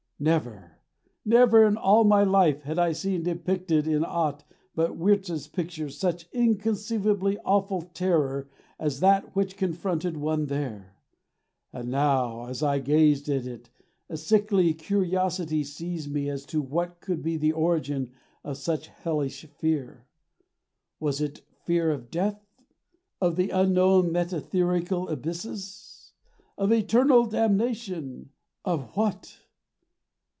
Never! never in all my life had I seen depicted in aught but Wiertz's pictures such inconceivably awful terror as that which confronted me there and now as I gazed at it, a sickly curiosity seized me as to what could be the origin of such Hellish Fear. Was it Fear of Death; of the Unknown metetherical Abysses; of Eternal Damnation; of what?